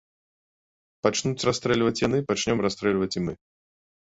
Пачнуць расстрэльваць яны, пачнём расстрэльваць і мы.